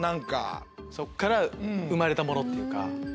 そこから生まれたものっていうか。